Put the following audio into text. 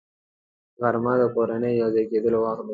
غرمه د کورنۍ یو ځای کېدلو وخت دی